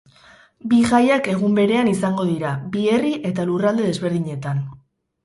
Bi jaiak egun berean izango dira, bi herri eta lurralde desberdinetan.